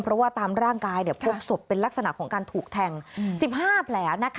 เพราะว่าตามร่างกายพบศพเป็นลักษณะของการถูกแทง๑๕แผล